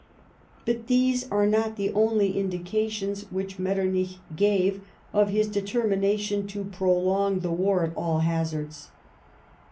But these are not the only indications which Metternich gave of his determination to prolong the war at all hazards.